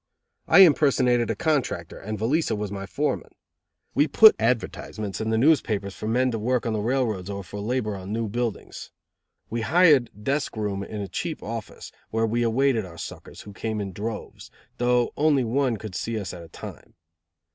I impersonated a contractor and Velica was my foreman. We put advertisements in the newspapers for men to work on the railroads or for labor on new buildings. We hired desk room in a cheap office, where we awaited our suckers, who came in droves, though only one could see us at a time.